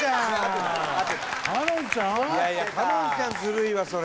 いやいや叶穏ちゃんずるいわそれ！